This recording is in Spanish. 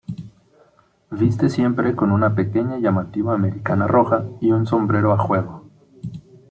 Viste siempre con una pequeña y llamativa americana roja y un sombrero a juego.